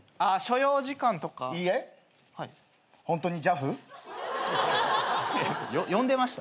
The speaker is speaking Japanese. ホントにＪＡＦ？呼んでました。